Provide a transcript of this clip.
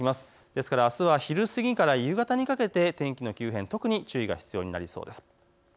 ですからあすは昼過ぎから夕方にかけて天気の急変、特に注意が必要になりそうです。